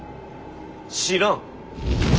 知らん。